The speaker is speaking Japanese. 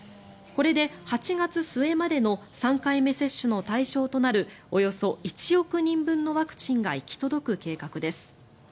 これで８月末までの３回目接種の対象となるおよそ１億人分のワクチンが行き届く計画です。